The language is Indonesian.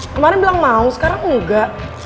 kemarin bilang mau sekarang enggak